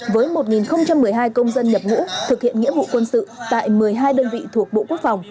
với một một mươi hai công dân nhập ngũ thực hiện nghĩa vụ quân sự tại một mươi hai đơn vị thuộc bộ quốc phòng